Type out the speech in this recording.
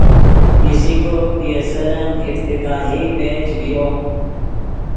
ایزیکو پی ایس ایلن افتتاحی میچ ڤیو